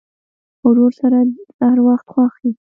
ورور سره هر وخت خوښ یې.